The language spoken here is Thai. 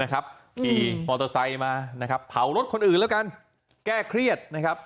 ขี่มอเตอร์ไซด์มาผ่าวรถคนอื่นแล้วกันแก้เครียด